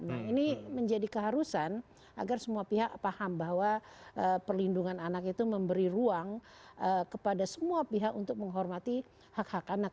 nah ini menjadi keharusan agar semua pihak paham bahwa perlindungan anak itu memberi ruang kepada semua pihak untuk menghormati hak hak anak